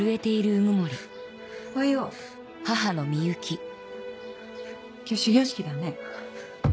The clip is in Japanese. おはよう今日始業式だね